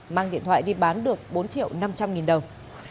mang điện thoại đi bán được bốn triệu năm trăm linh nghìn đồng